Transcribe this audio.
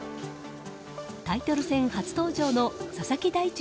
タイトル戦初登場の佐々木大地